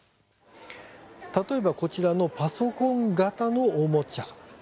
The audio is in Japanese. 例えば、こちらのパソコン型のおもちゃ。